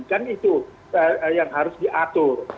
kan itu yang harus diatur